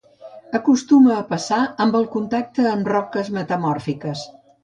Acostuma a passar amb el contacte amb roques metamòrfiques.